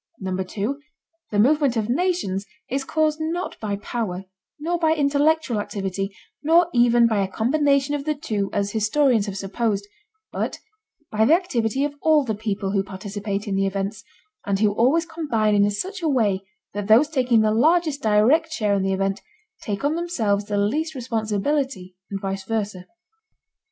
(2) The movement of nations is caused not by power, nor by intellectual activity, nor even by a combination of the two as historians have supposed, but by the activity of all the people who participate in the events, and who always combine in such a way that those taking the largest direct share in the event take on themselves the least responsibility and vice versa.